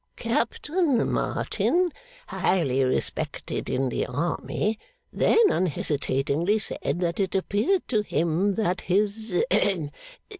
Captain Martin (highly respected in the army) then unhesitatingly said that it appeared to him that his hem!